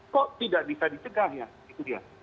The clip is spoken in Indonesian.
kok tidak bisa dicegah ya